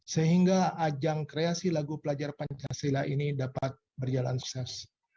sehingga ajang kreasi lagu pelajar pancasila ini dapat berjalan sukses